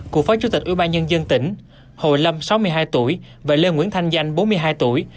cựu phó chủ tịch ủy ban nhân dân tỉnh hồ lâm sáu mươi hai tuổi và lê nguyễn thanh danh bốn mươi hai tuổi